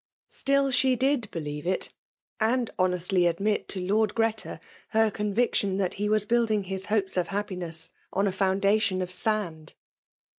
Still she did believe it; and konesliy admit to Lord Gh^eta her convicttoii iltM he was building his hopes of happiness dn a foundation of sand.